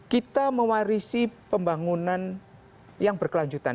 kita mewarisi pembangunan yang berkelanjutan